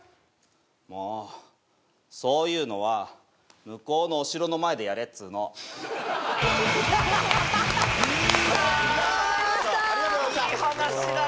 もうそういうのは向こうのお城の前でやれっつーのいいなあ！